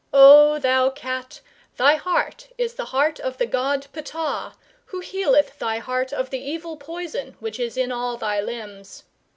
O thou Cat, thy heart is the heart of the god Ptah, who healeth thy heart of the evil poison which is in all thy limbs.